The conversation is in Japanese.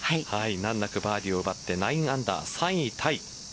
難なくバーディーを奪って９アンダー、３位タイ。